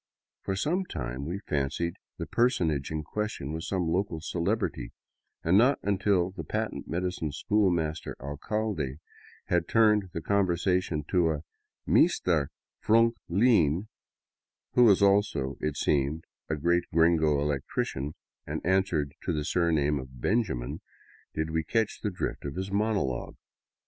For some time we fancied the per sonage in question was some local celebrity, and not until the patent medicine schoolmaster alcalde had turned the conversation to a " Meestare Frunk Lean," who was also, it seemed, a great gringo electrician, and answered to the surname of Benjamin, did we catch the drift of his monologue.